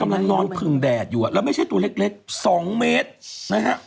มันแสดงทีมั้ย